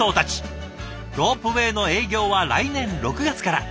ロープウェイの営業は来年６月から。